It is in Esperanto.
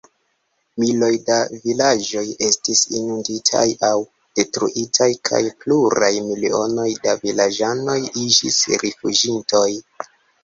Miloj da vilaĝoj estis inunditaj aŭ detruitaj kaj pluraj milionoj da vilaĝanoj iĝis rifuĝintoj.